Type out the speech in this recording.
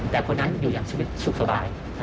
แต่คนนั้นอยู่อย่างชีวิตสุขสบาย